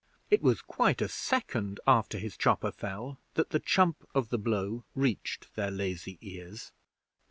It was quite a second after his chopper fell that the chump of the blow reached their lazy ears.